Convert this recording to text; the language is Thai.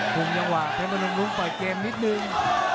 คุมยังหวะเทพบนมรุ้งปล่อยเกมนิดนึง